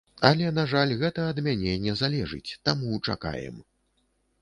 Але, на жаль, гэта ад мяне не залежыць, таму чакаем.